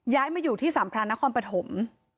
ย้ายมาอยู่ที่สามพระนครปฐม